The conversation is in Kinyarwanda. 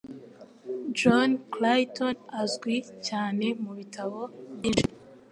John Clayton azwi cyane mubitabo byinshi